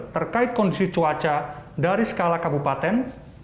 terkait kondisi cuaca dari skala kabupaten